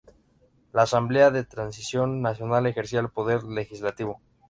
La Asamblea de Transición Nacional ejercía el poder legislativo.